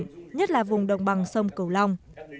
đối với các vùng đồng bằng sông cửu long